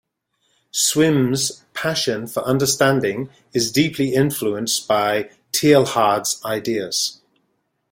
Swimme's passion for understanding is deeply influenced by Teilhard's ideas.